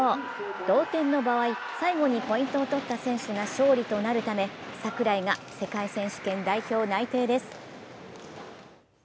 同点の場合、最後にポイントを取った選手が勝利となるため櫻井が世界選手権代表内定です。